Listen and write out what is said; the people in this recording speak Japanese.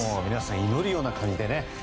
皆さん、祈るような感じで。